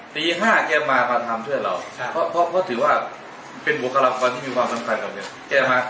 ปีอย่าง๕เกลียวมาประทำเพื่อนเราเพราะเป็นหัวครับใส่ที่มีความสำคัญกับเรา